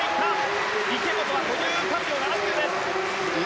池本は５３秒７９です。